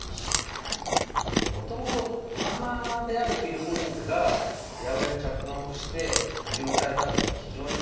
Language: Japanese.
もともとドラマーであるフィル・コリンズが８０８に着目して魅了されたっていうのは非常に興味深いなと思うんですね。